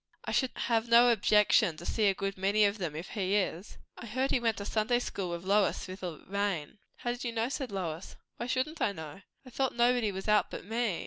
I should have no objection to see a good many of them, if he is." "I heard he went to Sunday School with Lois, through the rain." "How did you know?" said Lois. "Why shouldn't I know?" "I thought nobody was out but me."